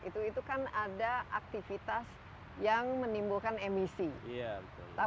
itu itu kan ada aktivitas yang menimbulkan emisi ya tapi ada bukan saja aktivitas echtor